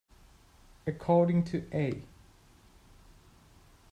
According to A.